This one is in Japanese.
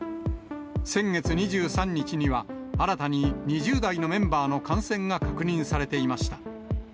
先月２３日には、新たに２０代のメンバーの感染が確認されていました。